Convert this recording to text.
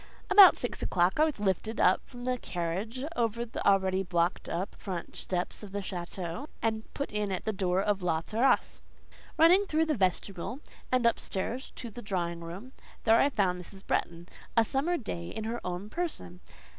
About six o'clock I was lifted from the carriage over the already blocked up front steps of the château, and put in at the door of La Terrasse. Running through the vestibule, and up stairs to the drawing room, there I found Mrs. Bretton—a summer day in her own person.